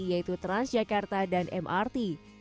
yaitu transjakarta dan mrt